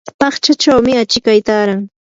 paqchachawmi achikay taaran.